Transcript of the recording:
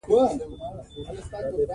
په افغانستان کې تنوع شتون لري.